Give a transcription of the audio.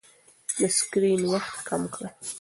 د سکرین وخت کم کړئ.